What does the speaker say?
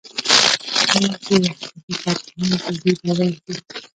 اوس ډېر اقتصادي کارپوهان پر دې باور دي